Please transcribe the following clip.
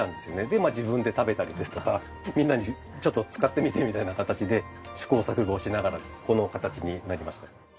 で自分で食べたりですとかみんなにちょっと使ってみてみたいな形で試行錯誤をしながらこの形になりました。